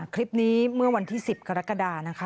คลิปนี้เมื่อวันที่๑๐กรกฎานะคะ